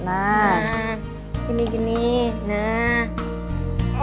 nah gini gini nah